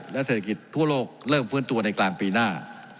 และเศรษฐกิจทั่วโลกเริ่มฟื้นตัวในกลางปีหน้า